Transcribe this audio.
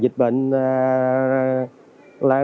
dịch bệnh là